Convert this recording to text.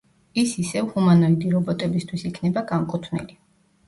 ის ისევ ჰუმანოიდი რობოტებისთვის იქნება განკუთვნილი.